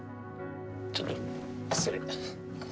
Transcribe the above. ちょっと失礼。